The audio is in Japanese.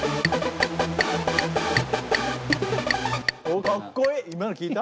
おっかっこいい！